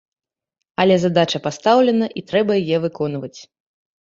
Але задача пастаўлена, і трэба яе выконваць.